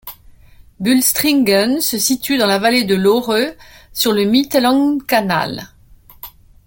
Bülstringen se situe dans la vallée de l'Ohre, sur le Mittellandkanal.